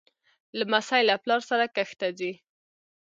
لمسی له پلار سره کښت ته ځي.